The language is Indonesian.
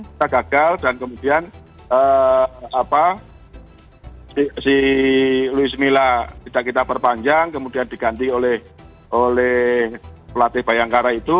kita gagal dan kemudian si luis mila tidak kita perpanjang kemudian diganti oleh pelatih bayangkara itu